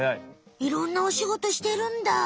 いろんなお仕事してるんだ。